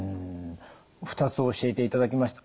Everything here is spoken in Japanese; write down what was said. ２つ教えていただきました。